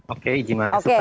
oke terima kasih